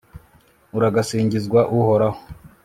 uragasingizwa, uhoraho